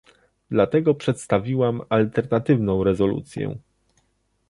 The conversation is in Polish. Dlatego przedstawiłam alternatywną rezolucję